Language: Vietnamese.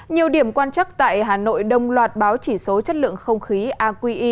nhiều điểm quan chắc tại hà nội đông loạt báo chỉ số chất lượng không khí aqi